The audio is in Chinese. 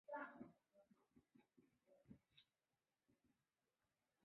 南十字车站历来采用与柏林火车总站类似的高架车站结构。